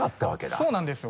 そうなんですよ